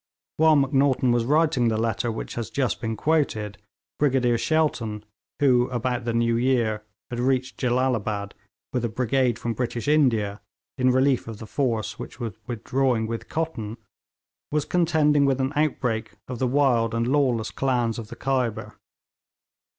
While Macnaghten was writing the letter which has just been quoted, Brigadier Shelton, who, about the New Year, had reached Jellalabad with a brigade from British India in relief of the force which was withdrawing with Cotton, was contending with an outbreak of the wild and lawless clans of the Khyber.